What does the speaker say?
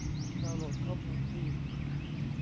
ดาวน์โหลดข้อมูลที่